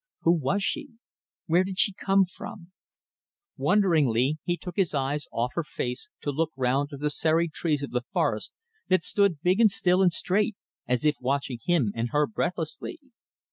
Who was she? Where did she come from? Wonderingly he took his eyes off her face to look round at the serried trees of the forest that stood big and still and straight, as if watching him and her breathlessly.